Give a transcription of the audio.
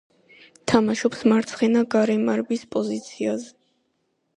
თამაშობს მარცხენა გარემარბის პოზიციაზე.